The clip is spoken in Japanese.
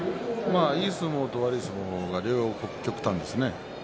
いい相撲と悪い相撲が両極端ですね。